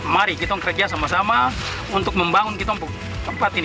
mari kita kerja sama sama untuk membangun kita tempat ini